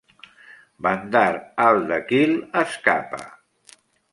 Bandar Al-Dakheel escapa.